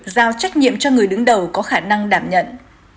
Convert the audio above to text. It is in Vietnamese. giao trách nhiệm cho người đứng đầu có khả năng đảm nhận